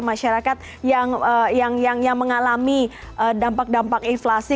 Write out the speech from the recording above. masyarakat yang mengalami dampak dampak inflasi